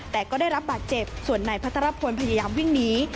แต่ก็ได้รับบาดเจ็บส่วนนายพัทรพลพยายามวิ่งหนี